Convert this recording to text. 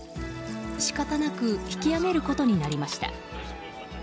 仕方なく引き上げることになりました。